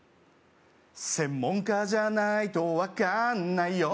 専門家じゃないと分かんないよ